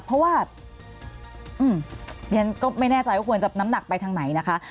เพราะว่าเรียนก็ไม่แน่ใจว่าควรจะน้ำหนักไปทางไหนนะคะ